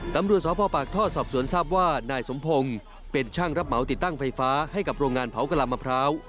ตำรวจสพปากท่อสอบสวนทราบว่านายสมพงศ์เป็นช่างรับเหมาติดตั้งไฟฟ้าให้กับโรงงานเผากะลามะพร้าว